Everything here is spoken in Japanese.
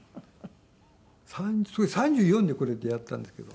３４でこれ出合ったんですけど。